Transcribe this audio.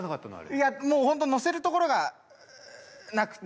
いやもうホントのせるところがなくて。